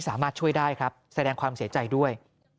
สามารถช่วยได้ครับแสดงความเสียใจด้วย